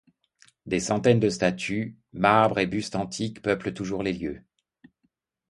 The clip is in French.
Des centaines de statues, marbres et bustes antiques peuplent toujours les lieux.